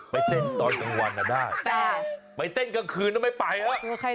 ไปเต้นกลางคืนไม่ไป